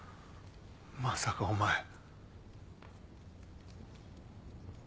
まさかお前。